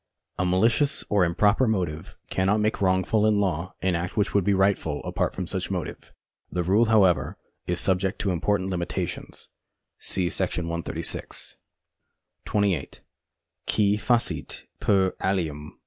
A malicious or improper motive cannot make wrongful in law an act which would be rightful apart from such motive. The rule, however, is subject to important limitations. See § 136. 28. Qui facit per alium, facit per se. Co.